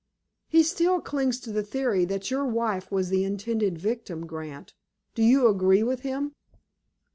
He still clings to the theory that your wife was the intended victim, Grant. Do you agree with him?"